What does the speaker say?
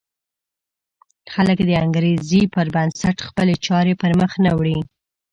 خلک د انګېزې پر بنسټ خپلې چارې پر مخ نه وړي.